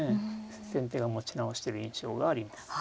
先手が持ち直してる印象があります。